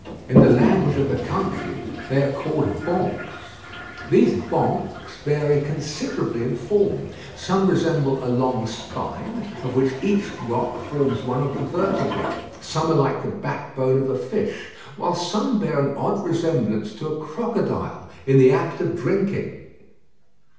In the language of the country they are called "Banques." These banques vary considerably in form. Some resemble a long spine, of which each rock forms one of the vertebræ; others are like the backbone of a fish; while some bear an odd resemblance to a crocodile in the act of drinking.